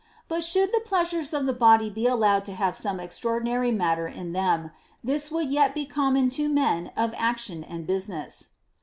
But should the pleasures of the body be allowed to have some extraordinary matter in them, this would yet be common to men of action and business.